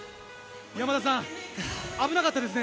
山田さん、危なかったですね。